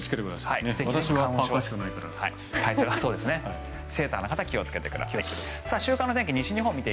ニットの方気をつけてください。